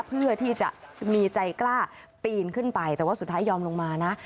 เพื่อที่จะมีใจกล้าปีนขึ้นไปแต่ว่าสุดท้ายยอมลงมานะ